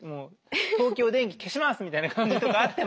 「東京電気消します！」みたいな感じとかあっても。